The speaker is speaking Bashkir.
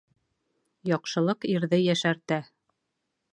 Яҡшылыҡ ирҙе йәшәртә.